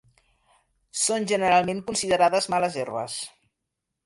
Són generalment considerades males herbes.